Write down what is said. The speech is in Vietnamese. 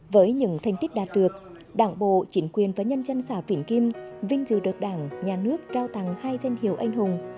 với những thành tích đạt được đảng bộ chính quyền và nhân dân xã vĩnh kim vinh dự được đảng nhà nước trao tặng hai danh hiệu anh hùng